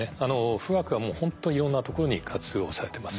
富岳はもうほんといろんなところに活用されてます。